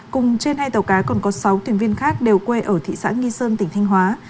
cùng trên hai tàu cá còn có sáu thuyền viên khác đều quê ở thị xã nghi sơn tỉnh thanh hóa